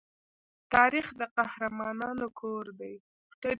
تاریخ د قهرمانانو کور دی.